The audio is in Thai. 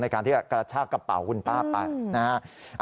ในการที่จะกระชากกระเป๋าคุณป้าบไปนะฮะ